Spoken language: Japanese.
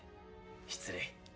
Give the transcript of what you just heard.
失礼。